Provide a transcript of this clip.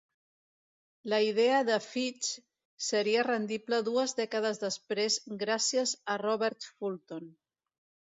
La idea de Fitch seria rendible dues dècades després gràcies a Robert Fulton.